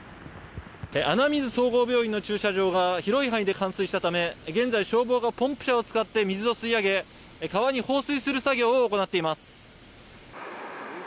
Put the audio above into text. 穴水総合病院の駐車場が広い範囲で冠水したため、現在、消防がポンプ車を使って水を吸い上げ、川に放水する作業を行っています。